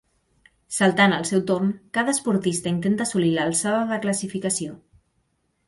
Saltant al seu torn, cada esportista intenta assolir l'alçada de classificació.